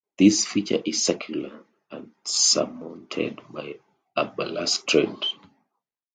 This feature is circular and surmounted by a balustrade.